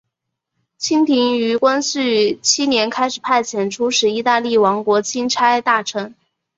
清廷于光绪七年开始派遣出使意大利王国钦差大臣。